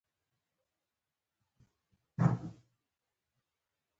د احمد او علي سپي سره غاپي.